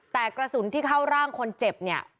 แต่กระสุนที่เข้าร่างคนเจ็บเนี่ย